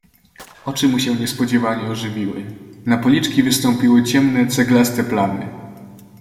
"Oczy mu się niespodzianie ożywiły, na policzki wystąpiły ciemne, ceglaste plamy."